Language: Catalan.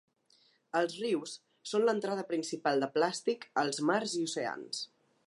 Els rius són l’entrada principal de plàstic als mars i oceans.